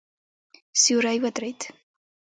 سیوری ودرېد.